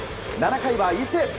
７回は伊勢。